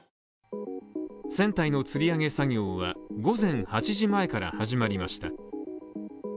船体のつり上げ作業は午前８時前から始まりました。